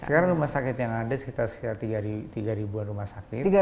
sekarang rumah sakit yang ada sekitar tiga ribu an rumah sakit